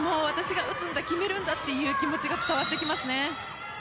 私が打つんだ、決めるんだという気持ちが伝わってきますね。